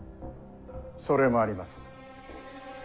それもあります。